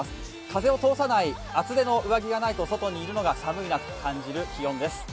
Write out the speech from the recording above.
風を通さない、厚手の上着がないと、外にいるのが寒いなと感じる気温です。